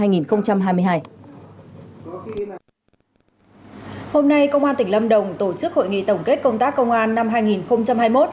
hôm nay công an tỉnh lâm đồng tổ chức hội nghị tổng kết công tác công an năm hai nghìn hai mươi một